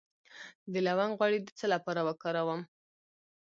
د لونګ غوړي د څه لپاره وکاروم؟